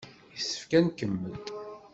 Yessefk ad nkemmel.